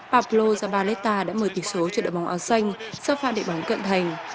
pablo zabaleta đã mở tỉ số cho đội bóng ảo xanh sau pha đệ bóng cận thành